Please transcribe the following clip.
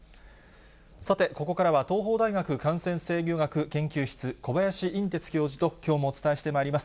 さて、ここからは東邦大学感染制御学研究室、小林寅てつ教授ときょうもお伝えしてまいります。